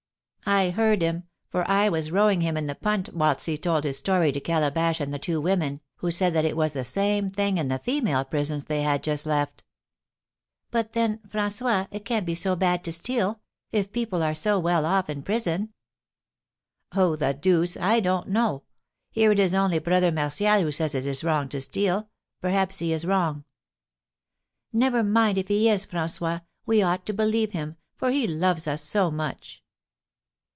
"I heard him, for I was rowing him in the punt whilst he told his story to Calabash and the two women, who said that it was the same thing in the female prisons they had just left." "But then, François, it can't be so bad to steal, if people are so well off in prison." "Oh, the deuce! I don't know. Here it is only Brother Martial who says it is wrong to steal; perhaps he is wrong." "Never mind if he is, François. We ought to believe him, for he loves us so much!"